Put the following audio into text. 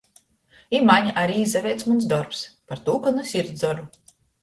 I maņ ari izaveic muns dorbs, partū ka nu sirds doru.